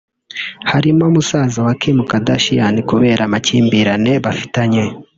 harimo musaza wa Kim Kardashian kubera amakimbirane bafitanye